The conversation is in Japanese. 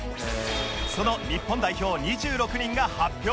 その日本代表２６人が発表